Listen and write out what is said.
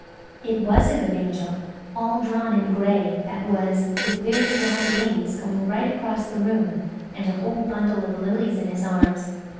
It was a good angel–all drawn in grey, that was–with very wide wings going right across the room, and a whole bundle of lilies in his arms.